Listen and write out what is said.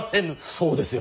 そうですよ。